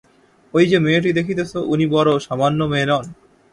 ওই যে মেয়েটি দেখিতেছ, উনি বড়ো সামান্য মেয়ে নন।